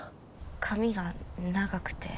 髪が長くて。